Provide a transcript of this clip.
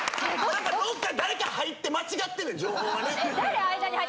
どっかで誰か入って間違ってんねん情報。